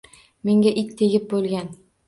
Menga it tegib bo‘lg‘an